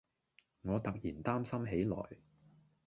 我突然擔心起來